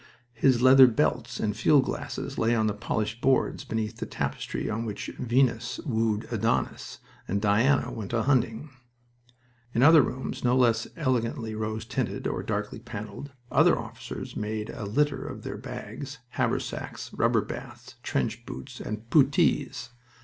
His leather belts and field glasses lay on the polished boards beneath the tapestry on which Venus wooed Adonis and Diana went a hunting. In other rooms no less elegantly rose tinted or darkly paneled other officers had made a litter of their bags, haversacks, rubber baths, trench boots, and puttees.